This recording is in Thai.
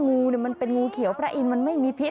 งูมันเป็นงูเขียวพระอินทมันไม่มีพิษ